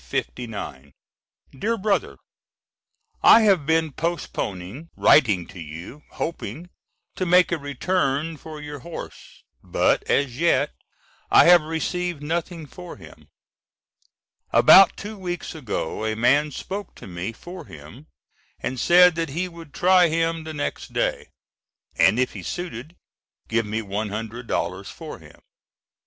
DEAR BROTHER: I have been postponing writing to you hoping to make a return for your horse, but as yet I have received nothing for him. About two weeks ago a man spoke to me for him and said that he would try him the next day, and if he suited, give me $100 for him.